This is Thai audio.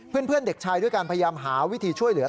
เพื่อนเด็กชายด้วยการพยายามหาวิธีช่วยเหลือ